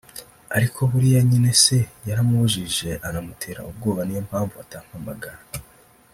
ariko buriya nyine se yaramubujije anamutera ubwoba niyo mpamvu atampamagara